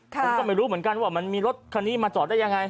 ผมก็ไม่รู้เหมือนกันว่ามันมีรถคันนี้มาจอดได้ยังไง